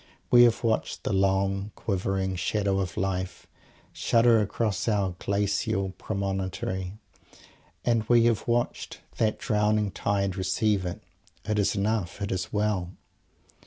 We have watched the long, quivering Shadow of Life shudder across our glacial promontory, and we have watched that drowning tide receive it. It is enough. It is well.